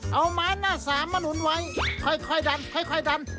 เอาไม้หน้าสามมาหนุนไว้ค่อยดันค่อยดัน